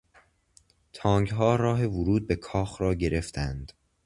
تانکها راه ورود به کاخ را گرفتند.